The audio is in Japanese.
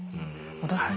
織田さん